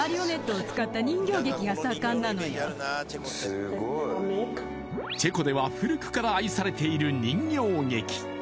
すごいチェコでは古くから愛されている人形劇